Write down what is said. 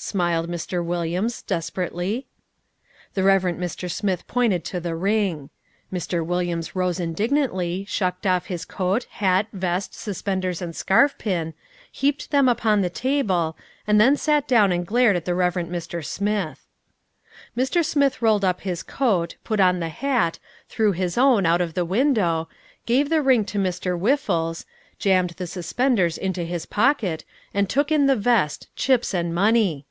smiled Mr. Williams, desperately. The Reverend Mr. Smith pointed to the ring. Mr. Williams rose indignantly, shucked off his coat, hat, vest, suspenders and scarfpin, heaped them on the table, and then sat down and glared at the Reverend Mr. Smith. Mr. Smith rolled up the coat, put on the hat, threw his own out of the window, gave the ring to Mr. Whiffles, jammed the suspenders into his pocket, and took in the vest, chips and money.